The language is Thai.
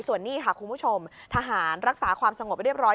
ส่วนนี้ค่ะคุณผู้ชมทหารรักษาความสงบเรียบร้อย